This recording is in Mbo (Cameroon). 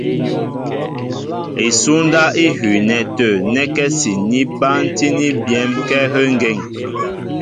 Isúndáp í hʉʉnɛ tə̂ nɛ́kɛ́si ní bántíní byɛ̌m kɛ́ áhə́ ŋgeŋ.